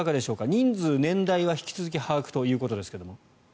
人数、年代は引き続き把握ということですが。